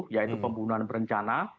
yaitu pembunuhan berencana